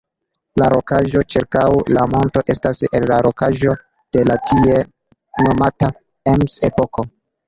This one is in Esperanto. La rokaĵo ĉirkaŭ la monto estas el la rokaĵo de la tiel nomata "Ems-epoko".